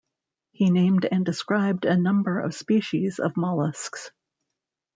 He named and described a number of species of molluscs.